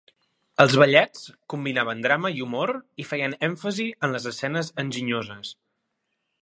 Els ballets combinaven drama i humor i feien èmfasi en les escenes enginyoses.